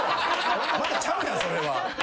ちゃうやんそれは。